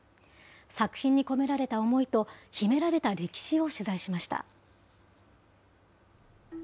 作品に込められた思いと、秘められた歴史を取材しました。